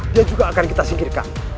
dia juga akan kita singkirkan